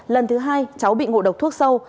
lần thứ hai cháu bị ngộ độc thuốc sâu